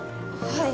はい。